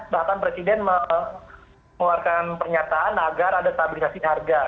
bahkan presiden mengeluarkan pernyataan agar ada stabilisasi harga